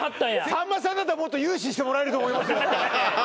さんまさんだったらもっと融資してもらえると思いますよ